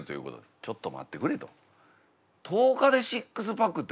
ちょっと待ってくれと。